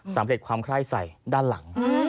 สำเร็จความไคร้ใส่ด้านหลัง